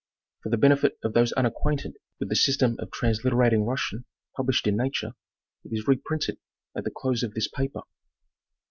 For the benefit of those unacquainted with the system of transliterat ing Russian, published in Nature, it is reprinted at the close of this paper.